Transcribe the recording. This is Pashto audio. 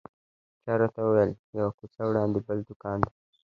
چا راته وویل یوه کوڅه وړاندې بل دوکان دی.